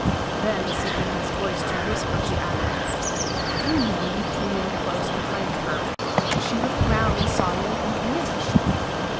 Then, sinking his voice to a whisper, he added: "Do you know you came in close behind HER? She looked round and saw you, and vanished!"